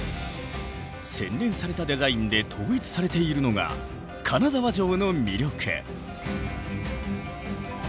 洗練されたデザインで統一されているのが金沢城の魅力。